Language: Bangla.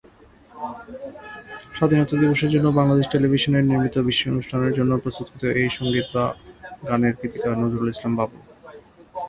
স্বাধীনতা দিবসের জন্য বাংলাদেশ টেলিভিশনের নির্মিত বিশেষ অনুষ্ঠানের জন্য প্রস্তুতকৃত এই সঙ্গীত বা গানের গীতিকার নজরুল ইসলাম বাবু।